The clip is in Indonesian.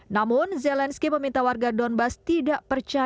namun zelensky meminta warga donbass tidak percaya